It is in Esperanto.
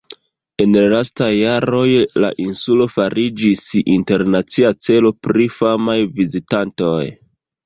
En la lastaj jaroj, la insulo fariĝis internacia celo pri famaj vizitantoj.